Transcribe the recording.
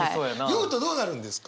酔うとどうなるんですか？